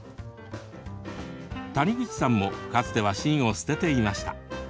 谷口さんもかつては芯を捨てていました。